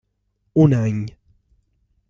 Un any.